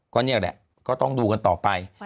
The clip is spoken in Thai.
ก็นี่แหละก็ต้องดูกันต่อไป